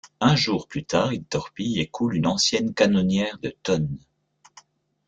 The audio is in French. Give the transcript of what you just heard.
Un jour plus tard, il torpille et coule une ancienne canonnière de tonnes.